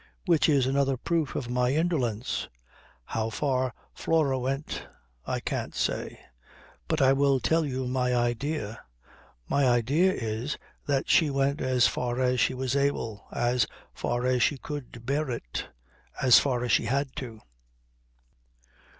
Which is another proof of my indolence. How far Flora went I can't say. But I will tell you my idea: my idea is that she went as far as she was able as far as she could bear it as far as she had to